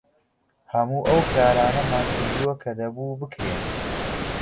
هەموو ئەو کارانەمان کردووە کە دەبوو بکرێن.